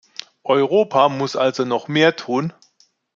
Europa muss also noch mehr tun.